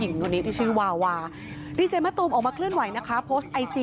มึงไม่เคยพูดแล้วทำไมเขาถึงเป็นแบบนี้